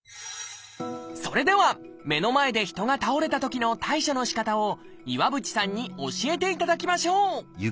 それでは目の前で人が倒れたときの対処のしかたを岩渕さんに教えていただきましょう！